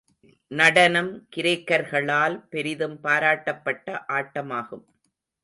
நடனம் கிரேக்கர்களால் பெரிதும் பாராட்டப்பட்ட ஆட்டமாகும்.